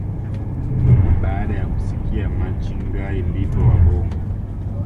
baada ya kusikia maching guy ndipo wabongo